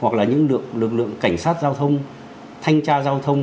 hoặc là những lực lượng cảnh sát giao thông thanh tra giao thông